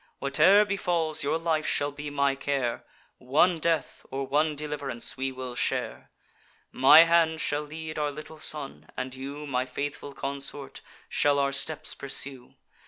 Whate'er befalls, your life shall be my care; One death, or one deliv'rance, we will share. My hand shall lead our little son; and you, My faithful consort, shall our steps pursue.